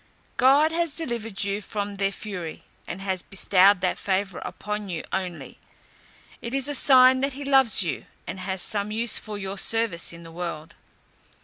God has delivered you from their fury, and has bestowed that favour upon you only. It is a sign that he loves you, and has some use for your service in the world.